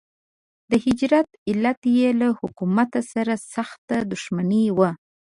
د هجرت علت یې له حکومت سره سخته دښمني وه.